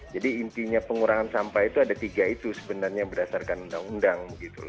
jadi intinya pengurangan sampah itu ada tiga itu sebenarnya berdasarkan undang undang